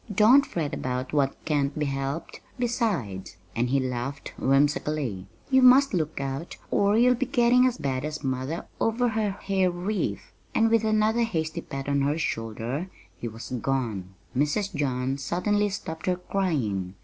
"Don't fret about what can't be helped; besides" and he laughed whimsically "you must look out or you'll be getting as bad as mother over her hair wreath!" And with another hasty pat on her shoulder he was gone. Mrs. John suddenly stopped her crying.